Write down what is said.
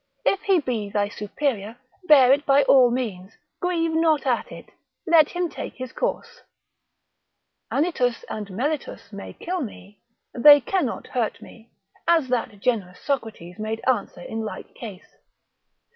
If he be thy superior, bear it by all means, grieve not at it, let him take his course; Anitus and Melitus may kill me, they cannot hurt me; as that generous Socrates made answer in like case.